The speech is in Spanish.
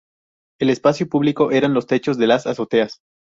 El espacio público eran los techos de las azoteas.